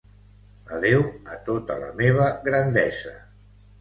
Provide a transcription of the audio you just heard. Adéu a tota la meva grandesa